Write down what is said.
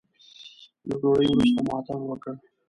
له ډوډۍ وروسته مو اتڼ وکړ.